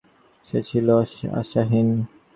সে ছিল আশাহীন।